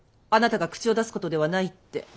あなたが口を出すことではないって。